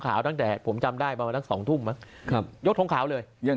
ขาวตั้งแต่ผมจำได้มาวันสองทุ่มน่ะครับยกทงขาวเลย